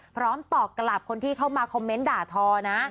พร้อมตอบกลับคนที่เข้ามาคอมเมนต์ด่าทอนะ